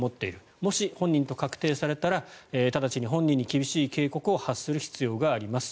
もし、本人と確定されたら直ちに本人に厳しい警告を発する必要があります。